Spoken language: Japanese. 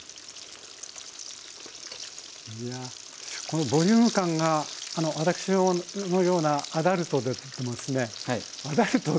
このボリューム感が私のようなアダルトでもですねアダルト？